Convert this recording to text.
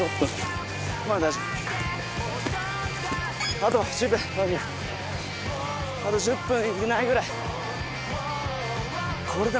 あと１０分ないくらい。